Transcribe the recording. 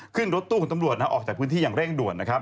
ขึ้นรถตู้ของตำรวจออกจากพื้นที่อย่างเร่งด่วนนะครับ